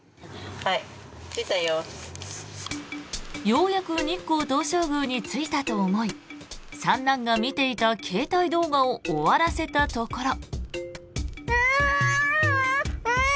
ようやく日光東照宮に着いたと思い三男が見ていた携帯動画を終わらせたところ。